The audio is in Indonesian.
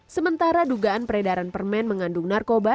sementara dugaan peredaran permen mengandung narkoba